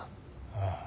ああ。